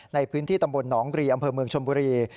ในพื้นที่ตำบลหนองรีอำเภอเมืองชมบุรี